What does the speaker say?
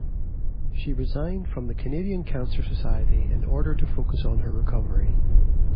She resigned from the Canadian Cancer Society in order to focus on her recovery.